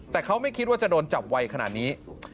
แต่เขาไม่คิดว่าจะโดนจับไวขนาดนี้